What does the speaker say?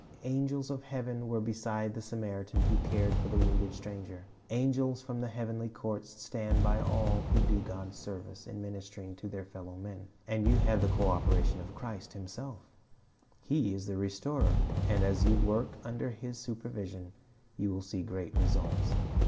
Angels of heaven were beside the Samaritan who cared for the wounded stranger. Angels from the heavenly courts stand by all who do God's service in ministering to their fellow men. And you have the co operation of Christ Himself He is the Restorer, and as you work under His supervision, you will see great results.